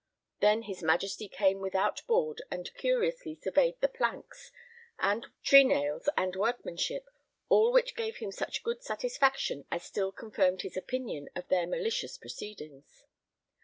Then his Majesty came without board and curiously surveyed the planks, trenails, and workmanship, all which gave him such good satisfaction as still confirmed his opinion of their malicious proceedings.